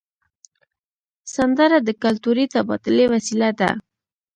سندره د کلتوري تبادلې وسیله ده